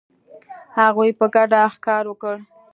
هغوی په ګډه ښکار وکړ.